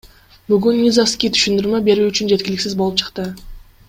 Бүгүн Низовский түшүндүрмө берүү үчүн жеткиликсиз болуп чыкты.